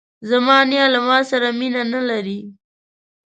زما نیا له ماسره مینه نه لري.